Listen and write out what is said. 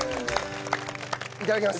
いただきます。